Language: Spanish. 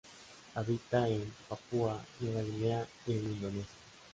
Habita en Papúa Nueva Guinea y en Indonesia.